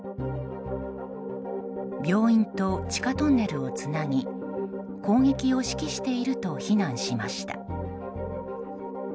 病院と地下トンネルをつなぎ攻撃を指揮していると非難しました。